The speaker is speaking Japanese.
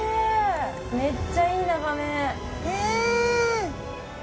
めっちゃいい眺め！